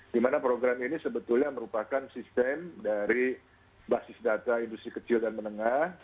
di mana program ini sebetulnya merupakan sistem dari basis data industri kecil dan menengah